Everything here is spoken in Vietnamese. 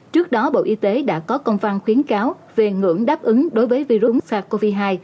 trước đó bộ y tế đã có công văn khuyến cáo về ngưỡng đáp ứng đối với virus sars cov hai